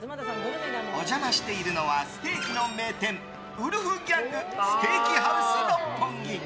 お邪魔しているのはステーキの名店ウルフギャング・ステーキハウス六本木。